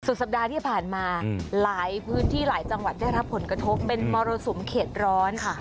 สัปดาห์ที่ผ่านมาหลายพื้นที่หลายจังหวัดได้รับผลกระทบเป็นมรสุมเขตร้อน